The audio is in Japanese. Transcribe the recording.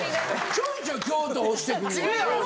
ちょいちょい京都おしてくる。